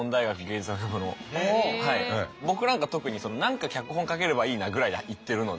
僕なんか特に何か脚本書ければいいなぐらいで行ってるので。